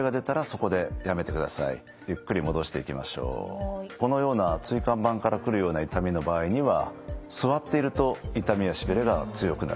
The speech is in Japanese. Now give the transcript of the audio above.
このような椎間板から来るような痛みの場合には座っていると痛みやしびれが強くなる。